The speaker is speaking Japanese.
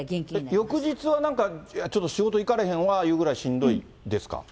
よく実はなんかちょっと仕事行かれへんわぐらいしんどいですか？